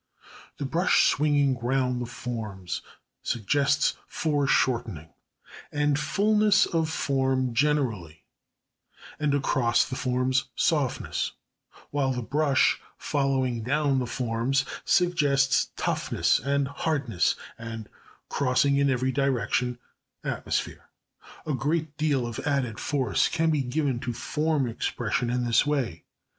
#The brush swinging round the forms suggests fore shortening, and fulness of form generally, and across the forms softness, while the brush following down the forms suggests toughness and hardness, and crossing in every direction atmosphere#. A great deal of added force can be given to form expression in this way.